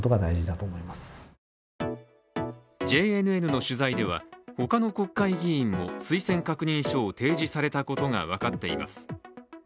ＪＮＮの取材では、ほかの国会議員も推薦確認書を提示されたことが分かっています。